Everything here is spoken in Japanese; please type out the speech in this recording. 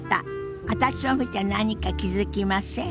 私を見て何か気付きません？